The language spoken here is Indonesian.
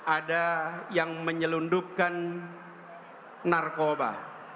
ada yang menyelundupkan narkoba